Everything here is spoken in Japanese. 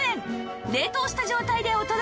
冷凍した状態でお届け